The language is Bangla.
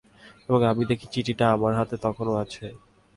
এবং আমি দেখি চিঠিটা আমার হাতে তখনো আছে।